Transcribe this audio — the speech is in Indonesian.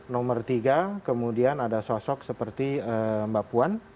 nomor tiga kemudian ada sosok seperti mbak puan